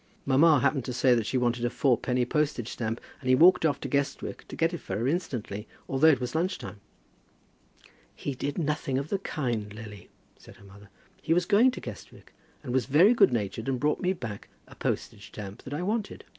Mamma happened to say that she wanted a four penny postage stamp, and he walked off to Guestwick to get it for her instantly, although it was lunch time." "He did nothing of the kind, Lily," said her mother. "He was going to Guestwick, and was very good natured, and brought me back a postage stamp that I wanted."